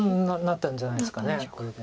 なったんじゃないですかこれで。